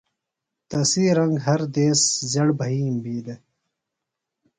تسی رنگ ہر دیس زڑ بھئیم بی دےۡ۔